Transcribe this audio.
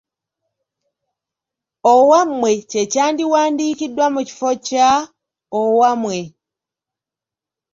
Owammwe kye kyandiwandiikiddwa mu kifo kya Owamwe.